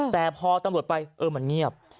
แต่พอตำรวจไปเออมันเงียบ